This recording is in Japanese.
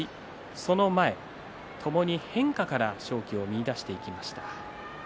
その前、ともに変化から勝機を見いだしていきました。